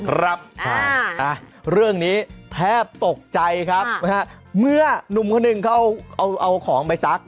ครับเรื่องนี้แทบตกใจครับเมื่อนุ่มคนหนึ่งเขาเอาของไปซัก